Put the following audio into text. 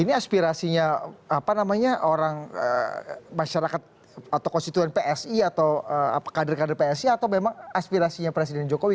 ini aspirasinya apa namanya orang masyarakat atau konstituen psi atau kader kader psi atau memang aspirasinya presiden jokowi